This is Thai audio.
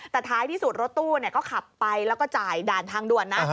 แต่ท้ายที่สุดรถตู้ก็ขับไปแล้วก็จ่ายด่านทางด่วนนะ